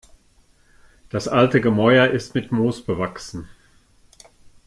Das alte Gemäuer ist mit Moos bewachsen.